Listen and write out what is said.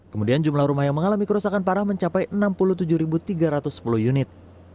kemudian jumlah rumah yang mengalami kerusakan parah mencapai enam puluh tujuh tiga ratus sepuluh unit